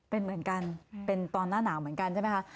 เป็นเหมือนกันเป็นตอนหน้าหนาวเหมือนกันใช่ไหมคะ